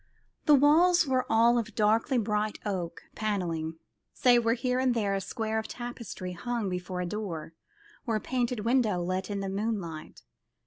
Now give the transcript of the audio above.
The walls were all of darkly bright oak panelling, save where here and there a square of tapestry hung before a door, or a painted window let in the moonlight.